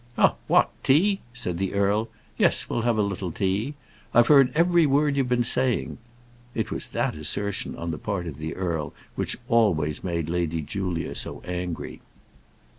"Eh, what? tea!" said the earl. "Yes, we'll have a little tea. I've heard every word you've been saying." It was that assertion on the part of the earl which always made Lady Julia so angry.